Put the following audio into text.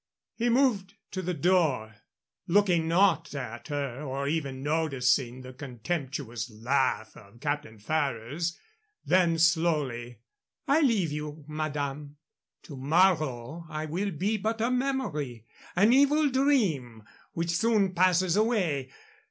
He moved to the door, looking not at her or even noticing the contemptuous laugh of Captain Ferrers; then, slowly, "I leave you, madame. To morrow I will be but a memory an evil dream, which soon passes away.